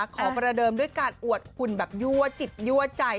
ประเดิมด้วยการอวดหุ่นแบบยั่วจิตยั่วใจ